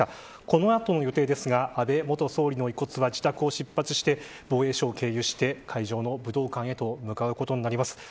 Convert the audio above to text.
このあとの予定ですが安倍元総理の遺骨は自宅を出発して防衛省を経由して会場の武道館へと向かうことになります。